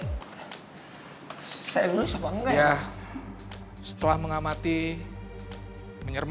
kalian bisa tiru emik ini nichts